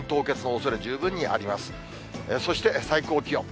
そして最高気温。